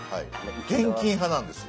現金派なんですよ。